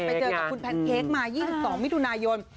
ไปเจอกับคุณแพนเค้กมา๒๒มิถุนายน